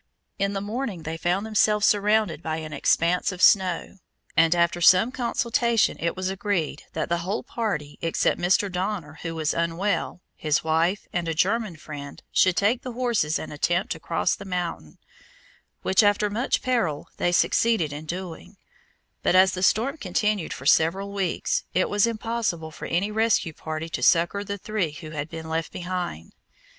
In the morning they found themselves surrounded by an expanse of snow, and after some consultation it was agreed that the whole party except Mr. Donner who was unwell, his wife, and a German friend, should take the horses and attempt to cross the mountain, which, after much peril, they succeeded in doing; but, as the storm continued for several weeks, it was impossible for any rescue party to succor the three who had been left behind.